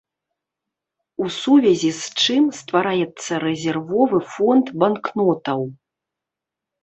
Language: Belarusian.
У сувязі з чым ствараецца рэзервовы фонд банкнотаў.